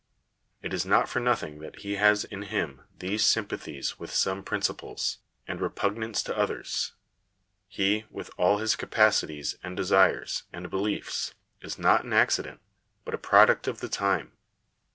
It is not for nothing that he has in him these sympa thies with some principles, and repugnance to others. He, with all his capacities, and desires, and beliefs, is not an accident, but a product of the time.